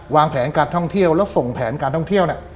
วางแผนการท่องเที่ยวแล้วส่งแผนการท่องเที่ยวเนี่ย